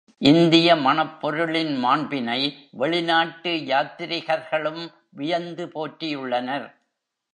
இந்திய மணப் பொருளின் மாண்பினை வெளிநாட்டு யாத்ரிகர்களும் வியந்து போற்றியுள்ளனர்.